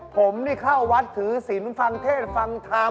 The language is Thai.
ผมนี่เข้าวัดถือศิลป์ฟังเทศฟังธรรม